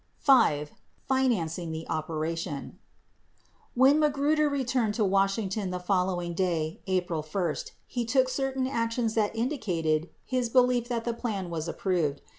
2 5. FINANCING THE OPERATION When Magruder returned to Washington the following day, April 1, he took certain actions that indicated his belief that the plan was approved.